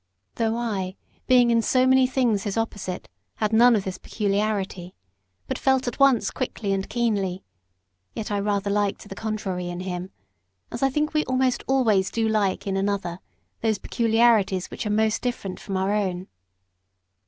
Though I, being in so many things his opposite, had none of this peculiarity, but felt at once quickly and keenly, yet I rather liked the contrary in him, as I think we almost always do like in another those peculiarities which are most different from our own.